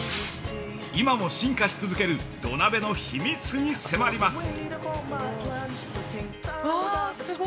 今も進化し続ける土鍋の秘密に迫ります！